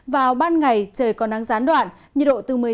vào ban ngày trời còn nắng gián đoạn nhiệt độ từ một mươi tám đến hai mươi tám độ